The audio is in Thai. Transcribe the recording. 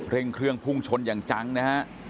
เร่งเครื่องพุ่งชนอย่างจังนะฮะ